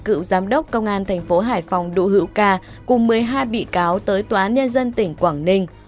cựu giám đốc công an thành phố hải phòng đỗ hữu ca cùng một mươi hai bị cáo tới tòa án nhân dân tỉnh quảng ninh